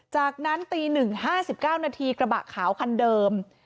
จากนั้นตี๑๕๙นาทีกระบะขาวคันเดิม